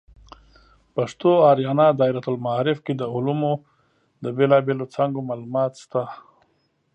پښتو آریانا دایرة المعارف کې د علومو د بیلابیلو څانګو معلومات شته.